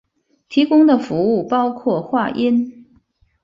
提供的服务包括话音。